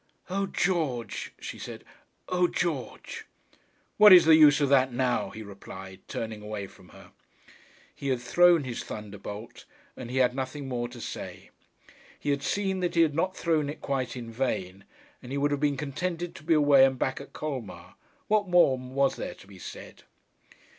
'O George!' she said; 'O George!' 'What is the use of that now?' he replied, turning away from her. He had thrown his thunderbolt, and he had nothing more to say. He had seen that he had not thrown it quite in vain, and he would have been contented to be away and back at Colmar. What more was there to be said?